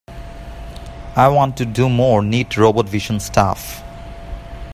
I want to do more neat robot vision stuff.